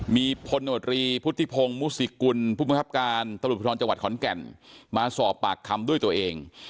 มีพลโนตรีพุทธิพงศ์มุสิกุลผู้บังคับการตำรวจภูทรจังหวัดขอนแก่นมาสอบปากคำด้วยตัวเอง